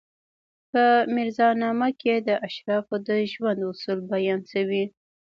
په میرزا نامه کې د اشرافو د ژوند اصول بیان شوي.